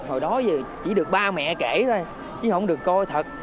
hồi đó giờ chỉ được ba mẹ kể thôi chứ không được coi thật